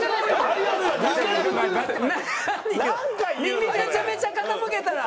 耳めちゃめちゃ傾けたら。